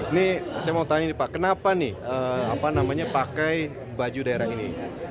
ini saya mau tanya nih pak kenapa nih pakai baju daerah ini